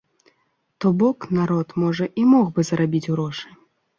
То бок, народ, можа, і мог бы зарабіць грошы.